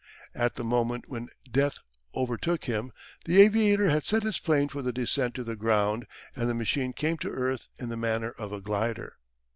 At the moment when Death over took him the aviator had set his plane for the descent to the ground, and the machine came to earth in the manner of a glider.